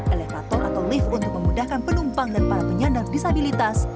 elevator atau lift untuk memudahkan penumpang dan para penyandang disabilitas